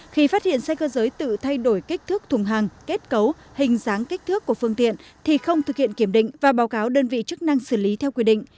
khi phát hiện xe cơ giới tự thay đổi kích thước thùng hàng kết cấu hình dáng kích thước của phương tiện thì không thực hiện kiểm định và báo cáo đơn vị chức năng xử lý theo quy định